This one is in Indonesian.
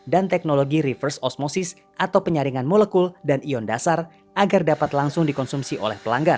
dan teknologi reverse osmosis atau penyaringan molekul dan ion dasar agar dapat langsung dikonsumsi oleh pelanggan